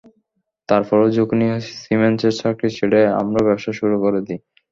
তারপরও ঝুঁকি নিয়ে সিমেন্সের চাকরি ছেড়ে আমরা ব্যবসা শুরু করে দিই।